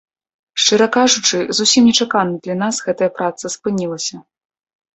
Шчыра кажучы, зусім нечакана для нас гэтая праца спынілася.